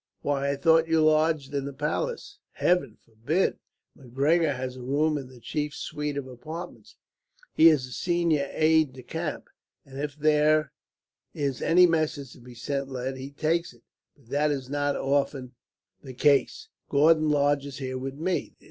"Why, I thought you lodged in the palace?" "Heaven forbid! Macgregor has a room in the chief's suite of apartments. He is senior aide de camp, and if there is any message to be sent late, he takes it; but that is not often the case. Gordon lodges here with me.